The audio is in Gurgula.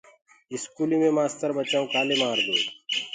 اسڪولي مي مآستر ٻچآئون ڪآلي مآردوئي